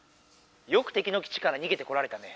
よくてきのき地からにげてこられたね。